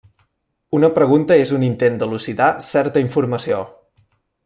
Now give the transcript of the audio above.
Una pregunta és un intent d'elucidar certa informació.